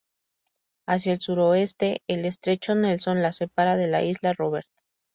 Hacia el suroeste el estrecho Nelson la separa de la isla Robert.